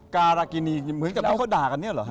การากินีเหมือนกับพวกด่ากันนี้เหรอค่ะ